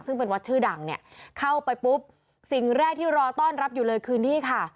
ซึ่งเป็นวัดชื่อดังเนี่ยเข้าไปปุ๊บสิ่งแรกที่รอต้อนรับอยู่เลยคือนี่ค่ะ